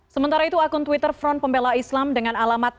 sementara itu akun twitter front pembela islam dengan alamat